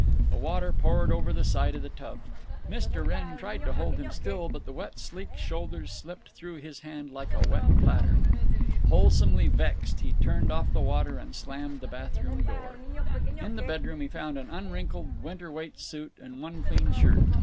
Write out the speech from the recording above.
The water poured over the side of the tub. Mr. Wrenn tried to hold him still, but the wet sleek shoulders slipped through his hand like a wet platter. Wholesomely vexed, he turned off the water and slammed the bathroom door. In the bedroom he found an unwrinkled winter weight suit and one clean shirt.